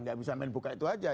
nggak bisa main buka itu aja